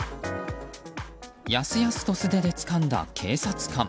やすやすと素手でつかんだ警察官。